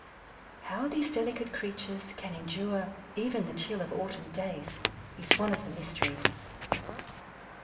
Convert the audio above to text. How these delicate creatures can endure even the chill of autumn days is one of the mysteries.